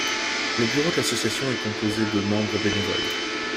Le bureau de l'association est composé de membres bénévoles.